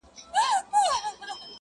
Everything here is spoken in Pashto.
• په تش دیدن به یې زړه ولي ښه کومه,